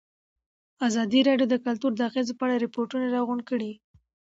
ازادي راډیو د کلتور د اغېزو په اړه ریپوټونه راغونډ کړي.